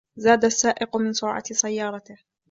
زاد السائق من سرعة سيارته.